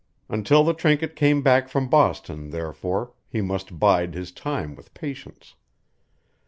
Until the trinket came back from Boston, therefore, he must bide his time with patience.